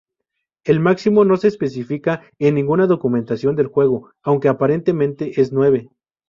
El máximo no se especifica en ninguna documentación del juego, aunque aparentemente es nueve.